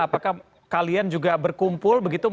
apakah kalian juga berkumpul begitu